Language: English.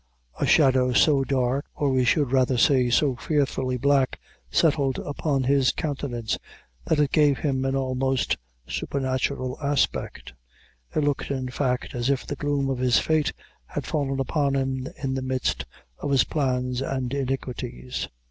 A shadow so dark or we should rather say, so fearfully black settled upon his countenance, that it gave him an almost supernatural aspect; it looked in fact, as if the gloom of his fate had fallen upon him in the midst of his plans and iniquities.